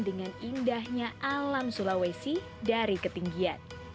dengan indahnya alam sulawesi dari ketinggian